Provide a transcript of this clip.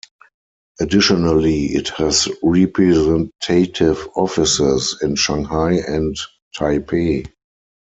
Additionally, it has representative offices in Shanghai and Taipei.